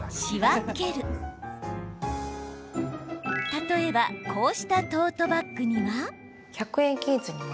例えばこうしたトートバッグには。